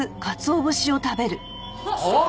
あっ！